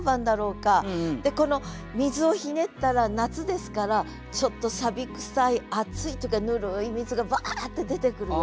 で水をひねったら夏ですからちょっとくさい熱いとかぬるい水がバーッて出てくるような。